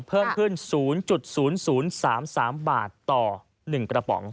เพิ่มขึ้น๐๐๓๓บาทต่อ๑กระป๋อง